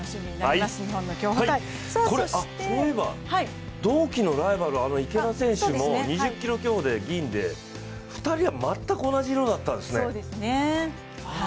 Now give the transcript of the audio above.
そういえば、同期のライバル、池田選手も２０ｋｍ競歩で銀で、２人は全く同じ色だったんですね。